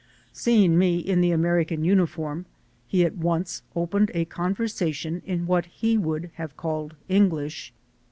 Seeing me in the American uniform, he at once opened a conversation in what he would have called English.